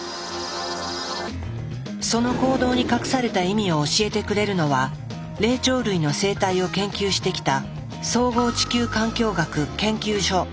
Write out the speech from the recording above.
その行動に隠された意味を教えてくれるのは霊長類の生態を研究してきた